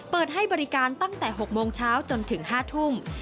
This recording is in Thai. เปิดให้บริการตั้งแต่๖โมงเช้าจนถึง๕ทุ่ม